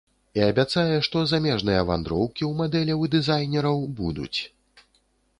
І абяцае, што замежныя вандроўкі ў мадэляў і дызайнераў будуць.